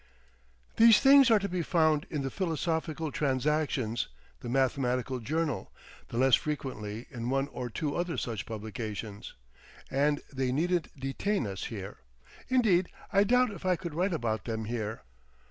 These things are to be found in the Philosophical Transactions, the Mathematical Journal, and less frequently in one or two other such publications, and they needn't detain us here. Indeed, I doubt if I could write about them here.